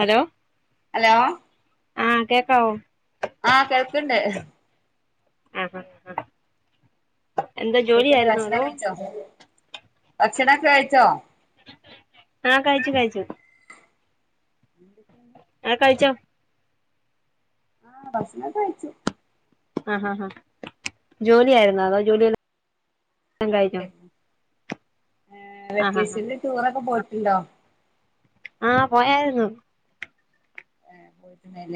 Hello hello ആഹ് കേക്കാവോ? ആഹ് കേൾക്കിണ്ട്. ആഹ ആഹ്. എന്താ ന്തെക്കെണ്ട് ജോലിയായിരുന്നോ ഭക്ഷണം അതോ കഴിച്ചോ ഭക്ഷണം ഒക്കെ കഴിച്ചോ? ആഹ് കഴിച്ചു കഴിച്ചു. എന്തൊക്കെയാണ്? ആഹ് കഴിച്ചോ ആഹ് ബസ്നൊക്കെ കഴിച്ചു. ആഹ് ഹ ഹ ജോലി ആയിരുന്നോ അതോ ജോലി എല്ല ആഹ് ആഹ് വെക്കേഷനിൽ ടൂറൊക്കെ പോയിട്ടുണ്ടോ? ആഹ് പോയായിരുന്നു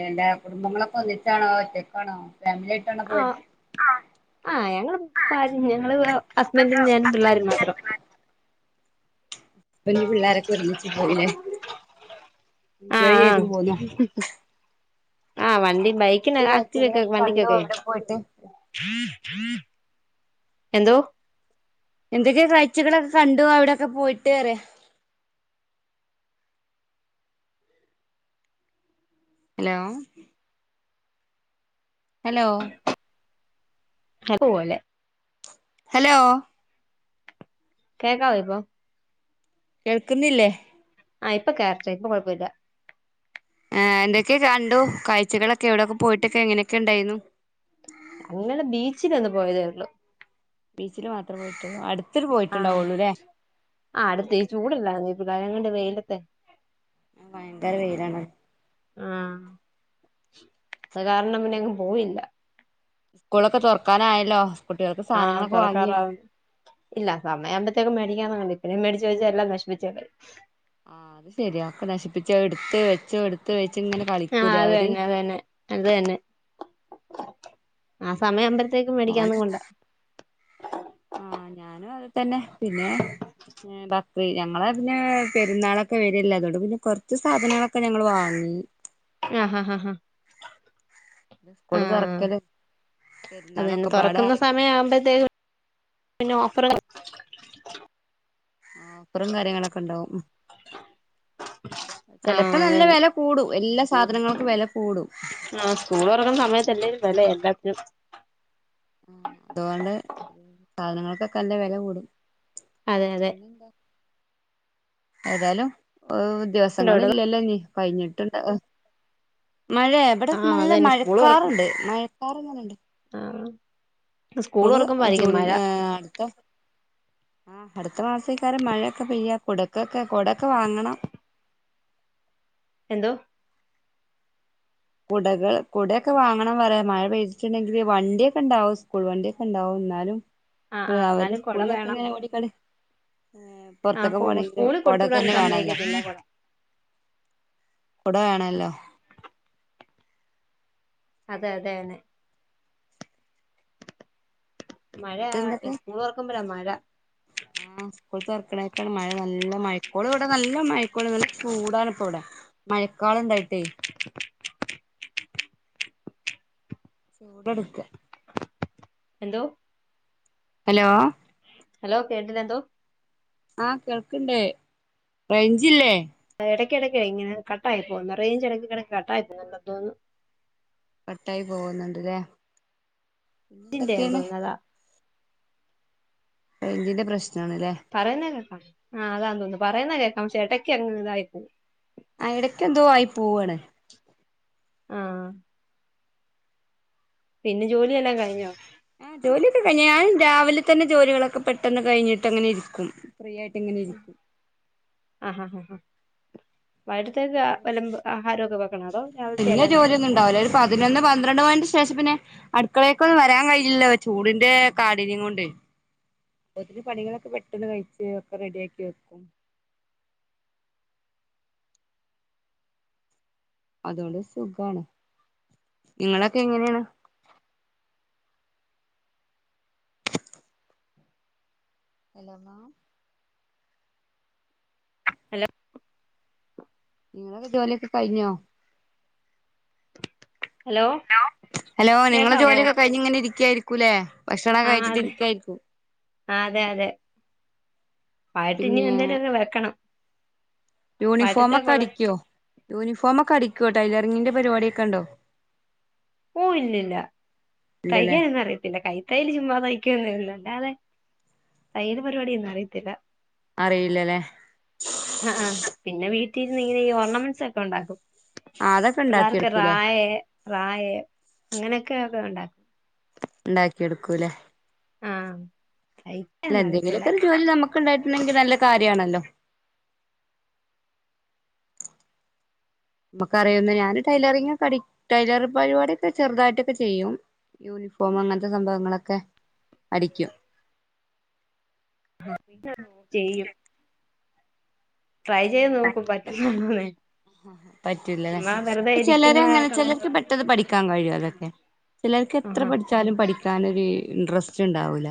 അന്റെ കുടുംബങ്ങളൊക്കെ ഒന്നിച്ചാണോ ഒറ്റക്കാണോ ഫാമിലിയട്ട് ആഹ് ആഹ് ഞങ്ങള് പാരിം ഞങ്ങള് ഹസ്ബന്റും ഞാനും പിള്ളോരും മാത്രം. പിന്റെ പിള്ളോരൊക്കെ ഒരുമിച്ച് പോയിലെ. ആഹ് ആഹ് ആഹ് വണ്ടി ബൈക്കിന എന്തൊക്കെ [unintelligible] വക്ക കാഴ്ചകളൊക്കെ കണ്ടു വണ്ടിക്കെക്കെ. അവിടെ പോയിട്ട് എന്തോ? എന്തൊക്കെയെ കാഴ്ചകളൊക്കെ കണ്ടു അവിടെൊക്കെ പോയിട്ട് പറിയ. ഹലോ ഹലോ ഹൽ പോവലെ ഹലോ കേക്കാവോ ഇപ്പം? കേൾക്കുന്നില്ലേ? ആഹ് ഇപ്പൊ കേറായിട്ട് ഇപ്പൊ കൊഴപ്പം ഇല്ല. ഏഹ് എന്തൊക്കെ കണ്ടു കാഴ്ചകളൊക്കെ എവിടെയൊക്കെ പോയിട്ടൊക്കെ എങ്ങനെയൊക്കെ ഉണ്ടായിരുന്നു. ഞങ്ങള് ബീച്ചിലൊന്ന് പോയതേ ഉള്ളു. ബീച്ചില് മാത്രെ പോയിട്ടുള്ളു അടു ആഹ് ആഹ് അടുത്ത ഈ ചൂടില്ലായിരുന്നേ [unintelligible] പ്രാരങ്ങണ്ട് വെയിലത്തെ ഭയങ്കര വെയിലാണ്. ആഹ് അത് കാരണം പിന്നെ അങ്ങ് പോയില്ല. സ്കൂളൊക്കെ തുറക്കാനായല്ലോ കുട്ടികൾക്ക് ആഹ് സാധനങ്ങളൊക്കെ വാങ്ങിയോ? തുറക്കാറാവും ഇല്ല സമയകുമ്പത്തേക്കും മേടിക്കൻ [unintelligible] ഇപ്പഴേ മേടിച്ച് വെച്ച എല്ലാം നശിപ്പിച്ച് കളയും ആഹ് അത് ശരിയ ഒക്കെ നശിപ്പിച്ചു എടുത്ത് വെച്ചോ എടുത്ത് വെച്ച് ഇങ്ങനെ ആഹ് കളിക്കൂലെ അത് അവര്. തന്നെ അത് തന്നെ അത് തന്നെ ആ സമയം ആമ്പത്തേക്കും മേടിക്കാന്ന് ഞാനും കൊണ്ടാ ആഹ് ഞാനും അത് തന്നെ പിന്നെ [unintelligible] ഞങ്ങളെ പിന്നെ പെരുന്നാളൊക്കെ വരെല്ല അതുകൊണ്ട് പിന്നെ കൊറച്ച് സാധനങ്ങളൊക്കെ ഞങ്ങള് വാങ്ങി ആഹ് ഹാ ഹാ ഹാ സ്കൂള് ആഹ് തുറക്കലും അത് പെരുന്നാളൊക്കെ പിന്നെ തുറക്കുന്ന പാടായിട്ട് സമയം ആവുമ്പോഴത്തേക്ക് പിന്നെ ഓഫറ് ഓഫറും കാര്യങ്ങളൊക്കെ ഉണ്ടാവും ചിലപ്പോ ആഹ് അത് നല്ല തന്നെ വില കൂടും എല്ലാ സാധനങ്ങൾക്കും വില കൂടും ആഹ് സ്കൂൾ തുറക്കുന്ന സമയത്തല്ലേലും വെല എല്ലാത്തിനും ആഹ് അതോണ്ട് സാധനങ്ങൾക്കൊക്കെ നല്ല വെല കൂടും അതെ അതെ പിന്നെന്താ ഏതായാലും ദിവ ഉണ്ടോ അവിടെ സങ്ങളില്ലല്ലോ ഇനി കഴിഞ്ഞിട്ട്ണ്ടാവ മഴെ ഇവിടെ ആഹ് അത് നല്ല തന്നെ സ്കൂള് തുറക്കും മഴക്കാറ്ണ്ട് മഴക്കാർ ഇങ്ങനണ്ട് ആഹ് സ്കൂള് ഇപ്പള് തുറക്കുമ്പായിരിക്കും ജൂണ് മഴ അടുത്ത ഉം അടുത്ത മാസേയ്ക്കാരം മഴയൊക്കെ പെയ്യ കുടക്കൊക്കെ കൊടൊക്കെ വാങ്ങണം എന്തോ കുടകൾ കുടയൊക്കെ വാങ്ങണം പറയാ മഴ പെയ്തിട്ടുണ്ടെങ്കിൽ വണ്ടിയൊക്കെ ഉണ്ടാവും സ്കൂൾ വണ്ടിയൊക്കെ ഉണ്ടാവും ഇന്നാലും ആഹ് ആഹ് അവര് എന്നാലും കൊട സ്കൂളിലൊക്കെ വേണം ഇങ്ങനെ ഓടിക്കളി പൊറ്ത്തൊക്കെ ആഹ് പോണെങ്കില് സ്കൂളിൽ കൊടുത്തു കൊടൊക്കെ വിടാൻ തന്നെ വേണല്ലോ സമ്മതിക്കത്തില്ല കൊട കൊട വേണല്ലോ അതെ അതെ അഹന്നെ മഴ സ്കൂള് തുറക്കുമ്പഴാ മഴ [unintelligible] ആ സ്കൂൾ തൊറ്ക്ക്ണേക്കാണ് മഴ നല്ല മൈക്കോള ഇവിടെ നല്ല മൈക്കോൾ നല്ല ചൂടാണ് ഇപ്പ ഇവിടെ മഴക്കാള്ണ്ടായിട്ടേ ചൂടെട്ക്കാ എന്തോ ഹലോ ഹലോ കേട്ടില്ലെന്തോ ആഹ് കേൾക്ക്ണ്ട് റേയ്ഞ്ചില്ലേ ഇടയ്ക്കിടയ്ക്കെ ഇങ്ങനെ കട്ടായി പോകുന്നു റെയ്ഞ്ച് ഇടക്കിടക്ക് കട്ടായി പോകുന്നുണ്ടെന്ന് തോന്നുന്നു കട്ടായി പോകുന്നുണ്ട്ല്ലേ പിന്നെ ഇതിന്റെയാന്ന് എന്തൊക്കെയാണ് തോന്നുന്നു അതാ റെയ്ഞ്ചിന്റെ പ്രശ്ണാണ്ല്ലേ പറയുന്ന കേൾക്കാം ആഹ് അതാ തോന്നുന്നു പറയുന്ന കേൾക്കാം പക്ഷേ ഇടക്ക് അങ്ങ് ഇതായിപ്പോവും ആഹ് ഇടക്ക് എന്തോ ആയി പോവാണ് ആഹ് പിന്നെ ജോലിയെല്ലാം കഴിഞ്ഞോ ആഹ് ജോലിയൊക്കെ കഴിഞ്ഞ് ഞാൻ രാവിലെ തന്നെ ജോലികളൊക്കെ പെട്ടെന്ന് കഴിഞ്ഞിട്ട് അങ്ങനെ ഇരിക്കും ഫ്രീ ആയിട്ട് ഇങ്ങനെ ഇരിക്കും ആഹാ ആഹാ വയ്ട്ത്തേക്ക് വല്ല ആഹാരമൊക്കെ വെക്കണോ അതോ രാവിലത്തെ പിന്നെ എല്ലാം കാണോ ജോലിയൊന്നും ഉണ്ടാവില്ല ഒരു പതിനൊന്ന് പന്ത്രണ്ട് മണിന്റെ ശേഷം പിന്നെ അടുക്കളെക്കൊന്നും വരാൻ കഴില്ലോ ചൂടിന്റെ കാഠിന്യയം കൊണ്ട് അപ്പോത്ത്ന് പണികളൊക്കെ പെട്ടെന്ന് കഴിച്ച് ഒക്കെ റെഡിയാക്കി വെക്കും അതോണ്ട് സുഖാണ് നിങ്ങളൊക്കെ എങ്ങനെയാണ് ഹലോ മാം ഹലോ നിങ്ങളൊക്കെ ജോലിയൊക്കെ കഴിഞ്ഞോ ഹലോ ഹലോ നിങ്ങളെ കേക്കാവോ ജോലിയൊക്കെ കഴിഞ്ഞ് ഇങ്ങനെ ഇരിക്കയായിരിക്കൂല്ലേ ഭക്ഷണം ആ അതെ കഴിച്ചിട്ടിരിക്കായിരിക്കും പാട്ടഞ്ഞ എന്തേലും ഒക്കെ വെക്കണം യൂണിഫോമ ഒക്കെ വൈകിട്ടത്തേക്കുള്ള അടിക്കുവോ യൂണിഫോമ ഒക്കെ അടിക്കോ ടൈലറിങ്ങിന്റെ പരിപാടിക്കെ ഉണ്ടോ ഓ ഇല്ലില്ല ഇല്ലല്ലേ തൈകൻന്ന അറിയത്തില്ല കൈ തയൽ ചുമ്മാതയ്ക്കന്ന വുന്നല്ലേ അതെ തയൽ പരിപാടിയൊന്നും അറിയത്തില്ല അറിയില്ലല്ലേ ആഹ് ആഹ് പിന്നെ വീട്ടിരുന്ന് ഇങ്ങനെ ഈ ഓർണമെന്റ്സ് ഒക്കെ ഉണ്ടാക്കും ആ അതൊക്കെ പിള്ളേർക്കെ ഉണ്ടാക്കിയെടുക്കൂലേ റായ റായ അങ്ങനെയൊക്കെ ഒക്കെ ഉണ്ടാക്കും ഉണ്ടാക്കിടുക്കൂല്ലേ ആഹ് അയ് അല്ല എന്തെങ്കിലുമൊക്കെ ജോലി നമുക്ക്ണ്ടായിട്ടുണ്ടെങ്കിൽ നല്ല കാര്യണല്ലോ നമുക്ക അറിയുന്ന ഞാൻ ടൈലറി ടൈലറി പരിപാട ഒക്കെ ചെറുതായിട്ടൊക്കെ ചെയ്യും യൂണിഫോം അങ്ങനത്തെ സംഭവങ്ങളൊക്കെ അടിക്കും [unintelligible] ചെയ്യും. ട്രൈ ചെയ്ത് നോക്കും പറ്റ്ന്നതാണോന്ന്. ആഹ് പറ്റൂലല്ലേ ഇരിക്കുന്ന ചെലരങ്ങനെ കള- ചെലർക്ക് പെട്ടന്ന് പഠിക്കാൻ കഴിയും അതൊക്കെ. ചെലർക്ക് എത്ര ആഹാ പഠിച്ചാലും പഠിക്കനൊര് ഇൻട്രസ്റ്റ്ണ്ടാവൂല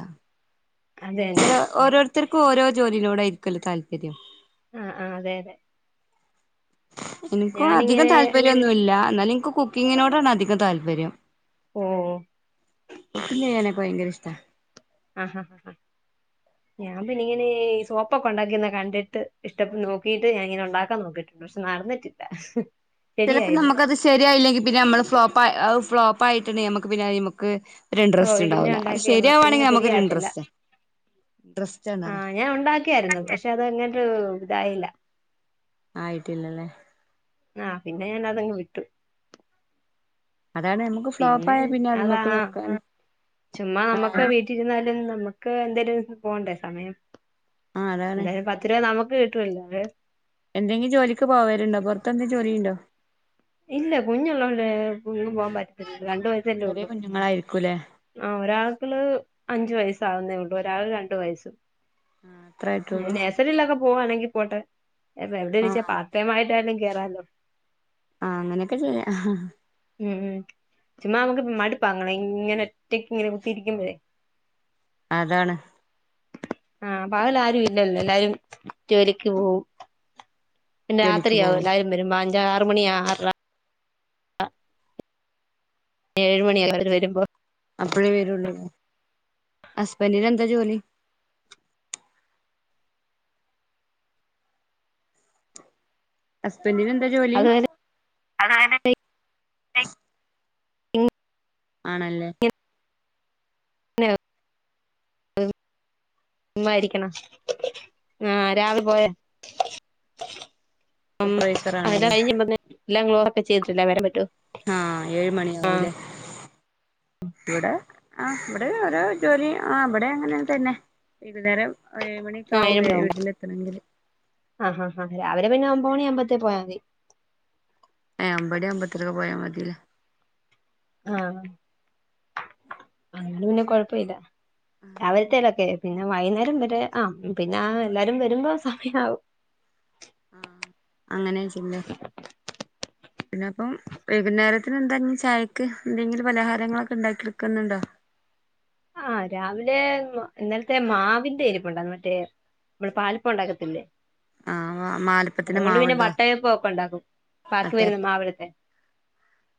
അത് തന്നെ ഓരോര്ത്തർക്കും ഓരോ ജോലിനോടാരിക്കല്ലോ താൽപര്യം. ആഹ് ആഹ് അതെ അതെ എനിക്കും അധികം ഞാനിങ്ങനെ താൽപര്യന്നുല്ല ന്നാലും ൻക്ക് കുക്കിങ്ങിനോടാണ് അധികം താൽപര്യം. ഓ ഇഡ്ലി ആണെ ഭയങ്കരിഷ്ട്ടാ ആഹ് ആഹ് ആഹ് ആഹ് ഞാൻ പിന്നിങ്ങനെ ഈ സോപ്പൊക്കെ ഒണ്ടാക്ക്ന്ന കണ്ടിട്ട് ഇഷ്ട്ട നോക്കിട്ട് ഞാനിങ്ങനെണ്ടാക്കാൻ നോക്കിട്ട്ണ്ട്. പഷേ നടന്ന്ട്ടില്ല. ചെലപ്പോ നമ്മക്കത് ശെരിയായില്ലെങ്കി പിന്നെ നമ്മള് ഫ്ലോപ്പായ ഫ്ലോപ്പായിട്ട്ണ്ടെങ്കി ഞമ്മക്ക്പിന്നെ അയ്മ്മക്ക് ഓ പിന്നെ രിൻട്രസ്റ്റ്ണ്ടാവൂല അത് ഉണ്ടാക്കിയൊന്നും പിന്നെ ശെരിയാവാണെങ്കി ഞമ്മക്കൊര് ശരിയാകത്തില്ല ഇൻട്രസ്റ്റാ ട്രസ്റ്റ് ആ [unintelligible] ഞാൻ ഒണ്ടാക്കിയാര്ന്നു പഷേ അത് അങ്ങട്ട് ഇതായില്ല. ആയിട്ടില്ലല്ലേ? ആഹ് പിന്നെ ഞാൻ അതങ്ങ് വിട്ടു. അതാണ് ഞമ്മക്ക് ഫ്ലോപ്പായ പിന്നെ അതിമ്മക്ക് നോക്കാ ആഹ്ആഹ് റ്റിര്ന്നാലും നമ്മക്ക് എന്തെലും പോണ്ടേസമയം ആ അതാണ് എന്തായാൽ പ ഇത്തരെ നമക്ക് കിട്ടുംവല്ലോലെ? എന്തെങ്കിജോലിക്ക് പോവല്ണ്ടോ പൊറത്തെഎന്തും ജോലിണ്ടോ? ഇല്ല കുഞ്ഞുള്ളകൊണ്ട് എങ്ങും പോവാൻ പറ്റത്തില്ല രണ്ട് വയ ചെറിയ കുഞ്ഞുങ്ങളാരിക്കൂലെ? ആ ഒരാക്ക്ള് അഞ്ചു വയസ്സാക്ന്നേള്ളൂ ഒരാൾ രണ്ട് വയസ്സും. ആ അത്ര ആയിട്ടുള്ളൂ നെഴ്സറിലൊക്കെ പോവാണെങ്കി പോട്ടെ. അപ്പ ആ എവ്ടെനിച്ചാ പാർട്ടയ്മായ്ട്ടാലും കേറല്ലോ? ആഹ് അങ്ങനെക്കെ ചെയ്യാം ഉം ഉം ചുമ്മാ നമ്മക്ക് മടുപ്പാങ്ങനെ ഇങ്ങനെ ഒറ്റക്ക് ഇങ്ങനെ കുത്തിയിരിക്കുമ്പഴേ അതാണ്. ആഹ് പകലാരും ഇല്ലല്ലോ എല്ലാരും ജോലിക്ക് പോവും. പിന്നെ ജോലിക്ക് രാത്രിയാകും പോവല് എല്ലാരും വരുമ്പ അഞ്ച് ആറ് മണി ആറെര [unintelligible] ഏഴ്മണിയാവും അവര് വരുമ്പോ. അപ്പഴേ വേര്ള്ളൂ ഹസ്ബന്റിനെന്താ ജോലി? ഹസ്ബന്റിനെന്താ ജോലി അതുവരെ അതായത് ഇൻ ആണല്ലേ? [inaudible] ചുമ്മായിരിക്ക്ണ് ആഹ് രാവിലെ പോയേ? ഉം സൂപ്പർവൈസർ അങ്ങനെ ആണല്ലേ കഴിഞ് [unintelligible] ചെയ്തിട്ടല്ല വരാൻ പറ്റൂ. ആഹ് ഏഴ് മണി ആവൂലെ. ഇവ്ടെ ആഹ് ഇവ്ടെ [unintelligible] ജോലി ആഹ് വ്ടെ അങ്ങനെതന്നെ. വൈകുന്നേരം ഏഴ് മണിയൊക്കെയാവും വീട്ടിലെത്തണങ്കില്. ആഹ് ഹാ ഹാ രാവിലെ പിന്നെ ഒമ്പത് മണി ആവുമ്പത്തേ പോയാ മതി. ഏ ഇബടെം ഒമ്പതരക്കക്കെ പോയാമതില്ലേ. ആഹ് അങ്ങനെ പിന്നെ കൊഴപ്പല്ല. രാവിലത്തലൊക്കെ പി പിന്നെ വൈകുന്നേരം വരെ ആഹ് പിന്നെ എല്ലാരും വര്മ്പ സമയാവും. ആഹ് അങ്ങനെ ചെയ്യുംലേ. പിന്നെപ്പം വൈകുന്നേരത്തിന് എന്താഞ്ഞി ചായക്ക്, എന്തെങ്കിലും പലഹാരങ്ങളൊക്കെ ണ്ടാക്കിട്ക്ക്ന്ന്ണ്ടോ? ആഹ് രാവിലെ മ ഇന്നലത്തെ മാവിന്റെ ഇരിപ്പോണ്ടാര്ന്ന് മറ്റേ നമ്മള് പാലപ്പം ഒണ്ടാക്കത്തില്ലേ? ആ അത് മാലപ്പത്തിന്റെ കൊണ്ട് പിന്നെ മാവുണ്ടോ വട്ടയപ്പക്കെ ഒണ്ടാക്കും. ബാക്കിവര്ന്ന മാവെടുത്തെ.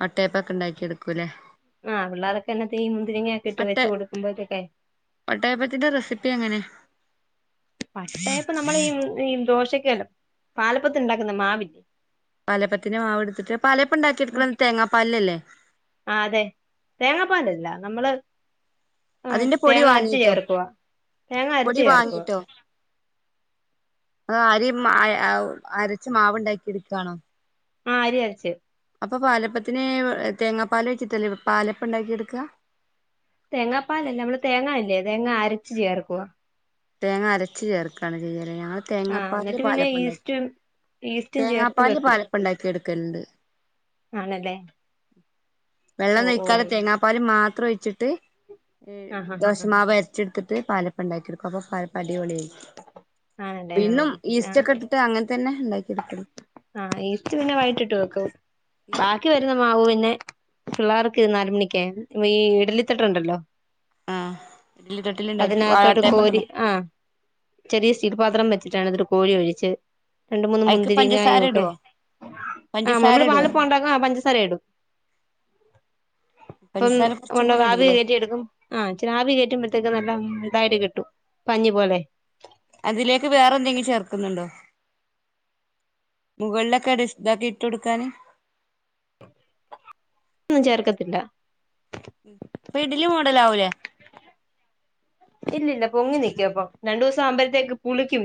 വട്ടയപ്പക്കെ ഒണ്ടാക്കി എട്ക്കൂലേ? ആഹ് പിള്ളോരൊക്കെ എന്നെത്തെയും മുന്തിരിങ്ങൊക്കെ ഇട്ട് വട്ട വെച്ചു കൊടുക്കുമ്പോഴത്തൊക്കെ, വട്ടയപ്പത്തിന്റെ റെസിപ്പി എങ്ങനെ? വട്ടയപം നമ്മളീ ഉം ഈ ദോശക്കല്ലോ പാലപ്പത്തിന് ഇണ്ടാക്കുന്ന മാവില്ലേ. പാലപ്പത്തിന്റെ മാവ് ഇട്ത്തിട്ട്, പാലേപ്പം ഇണ്ടാക്കി എടുക്കണത് തേങ്ങാ പാലില ല്ലേ? ആ അതെ തേങ്ങാപ്പാലിലല്ലാ നമ്മള്, ആഹ് അതിന്റെ പൊടി തേങ്ങ അരച്ച് വാങ്ങിട്ടോ ചേർക്കുവാ, തേങ്ങ പൊടി അരച്ച് ചേർക്കുവാ. വാങ്ങിട്ടോ അ അരിം മായ്യാവും അരച്ച് മാവ് ഇണ്ടാക്കി ഇട്ക്കാണോ? ആ അരിയരച്. അപ്പൊ പാലപ്പത്തിന് തേങ്ങാപ്പാലോഴിച്ചിട്ടല്ലേ പാലപ്പം ഇണ്ടാക്കി എട്ക്ക. തേങ്ങാപ്പാലല്ലാ നമ്മള് തേങ്ങ ഇല്ലേ തേങ്ങ അരച്ച് ചേർക്കുവ. തേങ്ങ അരച്ച് ചേർക്കാണ് ചെയ്യലല്ലേ. ഞങ്ങള് ആ തേങ്ങാപ്പാലില് എന്നിട്ട് പിന്നെ പാലപ്പം ഇണ്ടാക്കും. ഈസ്റ്റും ഈസ്റ്റും ചേർത്ത് തേങ്ങാപ്പാലില് വെക്കും പാലപ്പം ഇണ്ടാക്കി എടുക്കല്ണ്ട്. ആണല്ലേ ഓ ഓ വെള്ളന്നോഴിക്കാതെ തേങ്ങാപാല് മാത്രം ഒഴിച്ചിട്ട് എ ആ ഹാ ഹാ ഹാ ദോശമാവ് അര് ച്ച്ട്ത്തിട്ട് പാലപ്പണ്ടാക്കിയെടുക്കും. അപ്പോ പാലപ്പം അടിപൊളിയാരിക്കും. ആണല്ലേ വിന്നും ആ ഈസ്റ്റോക്കെട്ടിട്ട് അങ്ങൻ തന്നെ ഇണ്ടാക്കി എടുക്ക്ണ. ആ ഈസ്റ്റ് പിന്നെ വൈയിട്ട് ഇട്ട് വെക്കും. ബാക്കി വെരുന്ന മാവു പിന്നെ പിള്ളാർക്കിത് നാല് മണിക്ക്യയ് വീ ഇഡലിതട്ടുണ്ടല്ലോ, ആഹ് ഇഡ്ലി തട്ടില് ഉണ്ടാക്കി അതിനകത്തോട്ട് വാഴത്തേപ്പൊക്കെ കോരി ഉണ്ടാക്കി ആഹ്, ചെറിയ സ്റ്റീൽ പാത്രം വെച്ചിട്ടാണ് ന്നിട്ട് കോരി ഒഴിച്ച് രണ്ട് മുന്ന് അതിക്ക് പഞ്ചസാര മുന്തിരിങ്ങായൊക്കെ, ഇടുവോ ആഹ് പഞ്ചസാര നമ്മള് ഇടുവോ പാലപ്പം ഒണ്ടാക്കു ആ പഞ്ചസാര എടും. പ്പം പഞ്ചസാര കുറച്ചും കൂടെ [unintelligible] ആവി ഇടൂല്ലേ കേറ്റി എടുക്കും. ആഹ് ച്രാവി കെറ്റുമ്പോഴത്തേക്കും നല്ല ഇതായിട്ട് കിട്ടും, പഞ്ഞി പോലെ. അതിലേക്ക് വേറെ എന്തെങ്കി ചേർക്കുന്നുണ്ടോ? മുകളിലൊക്കെ [unintelligible] ഇതാക്കി ഇട്ട് കൊടുക്കാന്. ന്നും ചേർക്കത്തില്ല. ഉം പ്പോ ഇഡ്ലി മോഡലാവൂലേ? ഇല്ലില്ല പൊങ്ങി നിയ്ക്കും അപ്പൊ. രണ്ടൂസം ആവുമ്പഴത്തേക്ക് പുളിയ്ക്കും.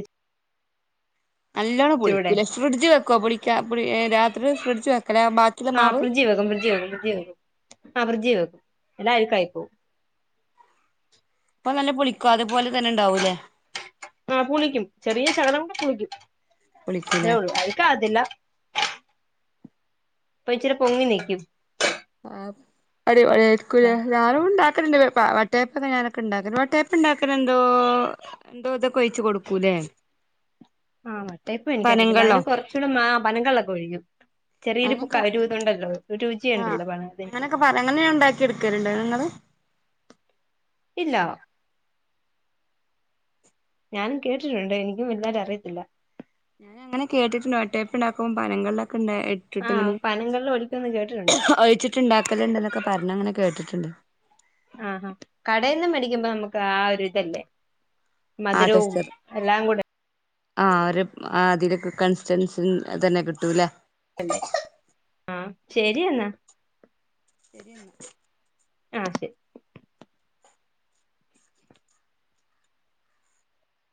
നല്ലോണ്ണം ഇച്ചിരൂടെ പുളിക്കൂലെ. ഫ്രിഡ്ജ് വെക്കോ, പുളിയ്ക്കാ പുളി എ രാത്രി ഫ്രിഡ്ജ് വെക്കലാ ബാക്കിള്ള മാവ്. ഫ്രിജീ വെക്കും, ഫ്രിജീ വെക്കും, ഫ്രിജീ വെക്കും, ആ ഫ്രിജീ വെക്കും. അല്ലെങ്കി അഴുക്കായി പോവും. അപ്പൊ നല്ല പുളിക്കോ അതുപോലെ തന്നെ ഇണ്ടാവൂല്ലേ? ആ പുളിയ്ക്കും, ചെറിയ ശകലമൊക്കെ പുളിയ്ക്കും. അത്രേ പുളിക്കൂലേ ഒള്ളൂ അഴികാവത്തില്ല. അപ്പോ ഇച്ചിരി പൊങ്ങി നിയ്ക്കും. ആഹ് അടിപൊളിയായിരിക്കുംലെ. ഞാനും ഇണ്ടാക്കലിണ്ട് പ വാ വട്ടായപ്പം ഞാനൊക്കെ ഇണ്ടാക്കൽ വട്ടയപ്പ പ്പണ്ടാക്കലെന്തോ എന്തോതൊക്കെ ഒഴിച്ച് കൊടുക്കൂല്ലേ? ആഹ് വട്ടയപ്പം എനിക്കറിയത്തില്ല. പനങ്കള്ളോ അതിന് കൊ റച്ചൂടി മാ പനങ്കള്ളൊക്കെ ഒഴിക്കും. ചെറിയൊരു ക അങ്ങനൊക്കെ രുതു ഉണ്ടല്ലോ, രുചിയുണ്ടല്ലോ പനത്തിന്. പനങ്കള്ള് [unintelligible] ഇണ്ടാക്കി എടുക്കലുണ്ടോ നിങ്ങള്? ഇല്ലാ ഞാനും കേട്ടിട്ടുണ്ട് എനിക്കും വെലുതായിട്ട് അറിയത്തില്ല ഞാൻ അങ്ങനെ കേട്ടിണ്ട് വട്ടായപ്പണ്ടാക്കുമ്പോ പനങ്കള്ളോക്കെ ഇണ്ടാ എട് ട്ടിട്ട് ആ ഇങ്ങനെ പനങ്കള്ള് ഒഴിക്കുമെന്ന് കേട്ടിട്ടുണ്ട് ഒഴിച്ചിട്ട് ഇണ്ടാക്കലിണ്ട്ന്നോക്കെ പറഞ്ഞങ്ങനെ കേട്ടിട്ടുണ്ട് ആഹ് ആഹ് കടേന്ന് മേടിക്കുമ്പോ നമ്മക്ക് ആ ഒരു ഇതല്ലേ മധുരവും എല്ലാം കൂടെ ആഹ് ഒരു അതിലൊക്കെ കൺസിസ്റ്റൻസി തന്നെ കിട്ടൂല്ലേ. അല്ലേ ആ ശരി എന്നാ ശരിയെന്നാ ആഹ് ശരി